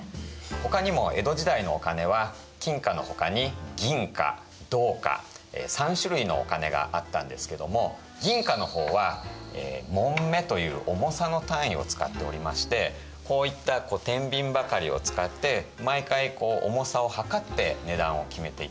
他にも江戸時代のお金は金貨の他に銀貨銅貨３種類のお金があったんですけども銀貨のほうは匁という重さの単位を使っておりましてこういったてんびんばかりを使って毎回重さを量って値段を決めていたんですね。